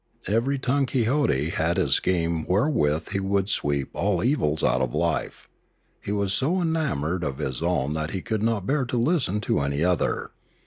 Every tongue quixote had his scheme wherewith he would sweep all evils out of life. He was so enamoured of his own that he could not bear to listen to any other.